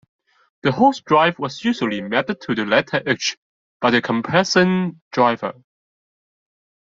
The host drive was usually mapped to the letter H: by the compression driver.